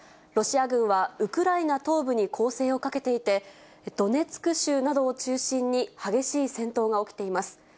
ロシア軍は、ウクライナ東部に攻勢をかけていて、ドネツク州などを中心に、激しい戦闘が起きています。